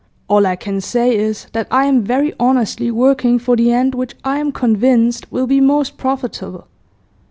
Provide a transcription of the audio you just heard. All I can say is, that I am very honestly working for the end which I am convinced will be most profitable.